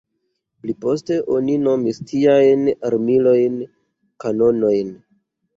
Pliposte oni nomis tiajn armilojn kanonojn.